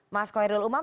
mas koirul umam